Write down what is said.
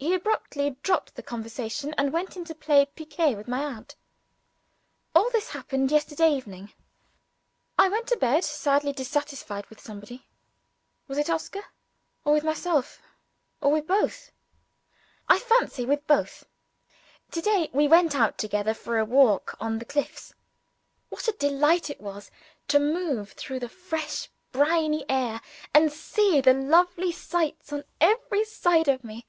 He abruptly dropped the conversation, and went to play piquet with my aunt. All this happened yesterday evening. I went to bed, sadly dissatisfied with somebody. Was it with Oscar? or with myself? or with both? I fancy with both. To day, we went out together for a walk on the cliffs. What a delight it was to move through the fresh briny air, and see the lovely sights on every side of me!